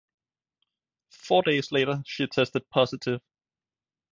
Four days later she tested positive.